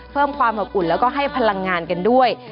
เพิ่มความอบอุ่นแล้วก็ให้พลังงานกันด้วย